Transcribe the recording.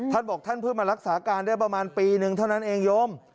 ท่านบอกท่านเพิ่งมารักษาการได้ประมาณปีนึงเท่านั้นเองโยม